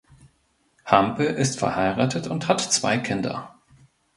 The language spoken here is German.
Hampel ist verheiratet und hat zwei Kinder.